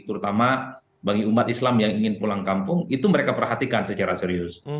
terutama bagi umat islam yang ingin pulang kampung itu mereka perhatikan secara serius